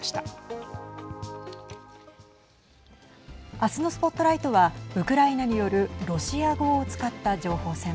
明日のＳＰＯＴＬＩＧＨＴはウクライナによるロシア語を使った情報戦。